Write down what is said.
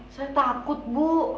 saya takut bu